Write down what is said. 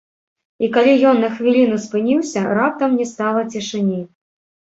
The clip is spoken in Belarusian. І калі ён на хвіліну спыніўся, раптам не стала цішыні.